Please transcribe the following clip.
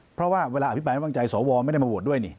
เพราะว่าเวลาอภิกษ์แผนวังใจสอวอล์ไม่ได้มาโหวตด้วย